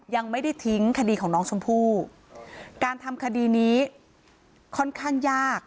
ยังไม่ได้ทิ้งคดีของน้องชมพู่การทำคดีนี้ค่อนข้างยาก